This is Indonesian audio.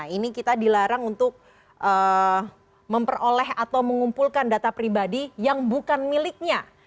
ini kita dilarang untuk memperoleh atau mengumpulkan data pribadi yang bukan miliknya